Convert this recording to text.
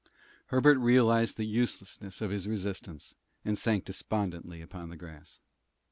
Herbert realized the uselessness of his resistance, and sank despondently upon the grass.